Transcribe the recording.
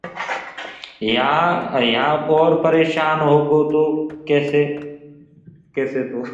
يهآن اورَ پريشآن هوگو ڪيسي تو